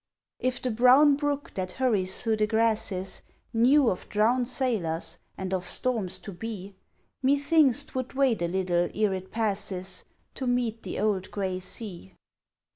If the brown brook that hurries through the grasses Knew of drowned sailors and of storms to be Methinks 'twould wait a little e'er it passes To meet the old grey sea.